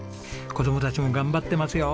子供たちも頑張ってますよ。